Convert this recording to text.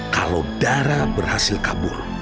kalau darah berhasil kabur